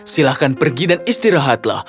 silahkan pergi dan istirahatlah